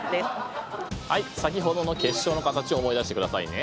はい先ほどの結晶の形を思い出してくださいね。